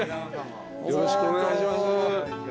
よろしくお願いします。